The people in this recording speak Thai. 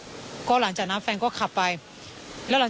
ส่วนรถที่นายสอนชัยขับอยู่ระหว่างการรอให้ตำรวจสอบ